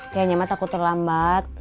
kayaknya mak takut terlambat